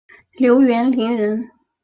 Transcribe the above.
刘元霖人。